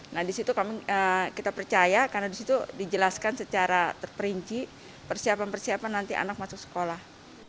nah disitu kita percaya karena disitu dijelaskan secara terperinci persiapan persiapan nanti anak masuk sekolah